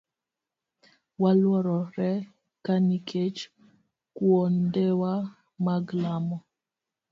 Waluorore ka nikech kuondewa mag lamo.